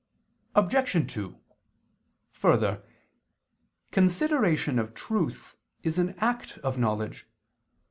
Obj. 2: Further, consideration of truth is an act of knowledge.